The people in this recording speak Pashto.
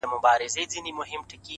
• الله دي تا پر چا مین کړي,